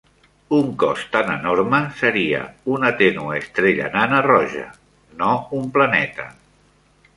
Un cos tan enorme seria una tènue estrella nana roja, no un planeta.